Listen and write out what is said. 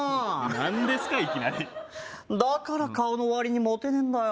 何ですかいきなりだから顔のわりにモテねえんだよ